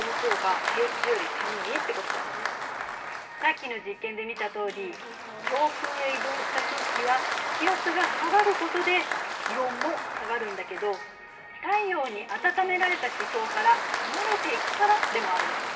さっきの実験で見たとおり上空へ移動した空気は気圧が下がることで気温も下がるんだけど太陽に暖められた地表から離れていくからでもあるの。